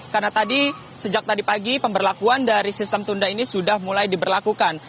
karena tadi sejak tadi pagi pemberlakuan dari sistem tunda ini sudah mulai diberlakukan